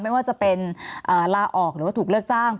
ไม่ว่าจะเป็นลาออกหรือว่าถูกเลิกจ้าง